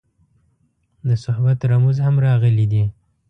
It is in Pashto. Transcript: د صحبت رموز هم راغلي دي.